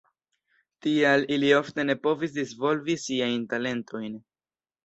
Tial ili ofte ne povis disvolvi siajn talentojn.